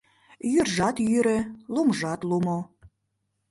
Йӱржат йӱрӧ, лумжат лумо